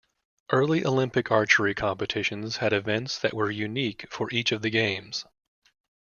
Early Olympic archery competitions had events that were unique for each of the Games.